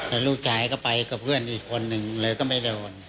แล้วลูกชายก็ไปกับเพื่อนอีกคนนึงเลยก็ไม่โดน